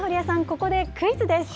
ここでクイズです！